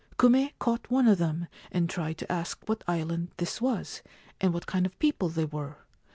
Kume caught one of them, and tried to ask what island this was, and what kind of people they were.